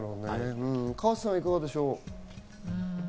河瀬さん、いかがでしょう？